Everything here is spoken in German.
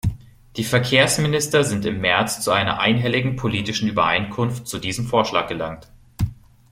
Die Verkehrsminister sind im März zu einer einhelligen politischen Übereinkunft zu diesem Vorschlag gelangt.